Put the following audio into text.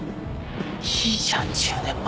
いいじゃん１０年前。